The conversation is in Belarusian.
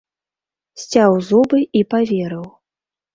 Сцяў зубы і паверыў.